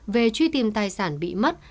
về truy tìm tài sản bị mất